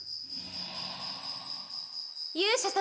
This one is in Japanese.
勇者様。